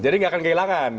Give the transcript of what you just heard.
jadi nggak akan kehilangan